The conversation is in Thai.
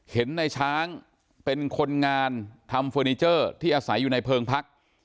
เห็นในช้างเป็นคนงานทำเฟอร์นิเจอร์ที่อาศัยอยู่ในเพลิงพัก